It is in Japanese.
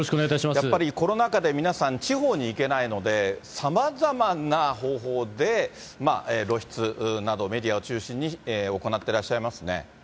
やっぱりコロナ禍で皆さん、地方に行けないので、さまざまな方法で露出など、メディアを中心に行ってらっしゃいますね。